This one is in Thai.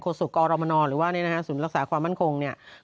โฆษุออร์โรมานอลหรือว่าสถานการณ์รักษาความมั่นคง